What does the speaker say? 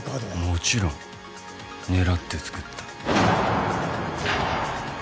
もちろん狙ってつくった。